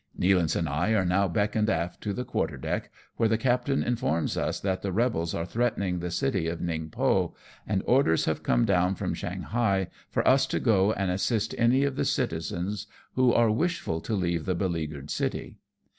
Nealance and I are now beckoned aft to the quarter deck, where the captain informs us that the rebels are threatening the city of Ningpo, and orders have come down from Shanghai for us to go and assist any of the citizens who are wishful to leave the beleaguered city.